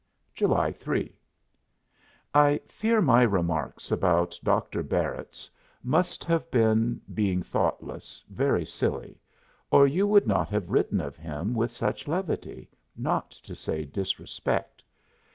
JULY 3. I fear my remarks about Dr. Barritz must have been, being thoughtless, very silly, or you would not have written of him with such levity, not to say disrespect.